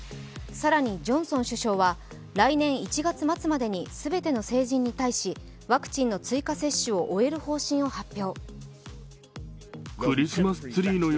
更にジョンソン首相は来年１月末までに全ての成人に対しワクチンの追加接種を終えることを発表。